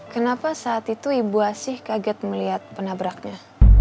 kenapa saat itu ibu asih kaget melihat penabraknya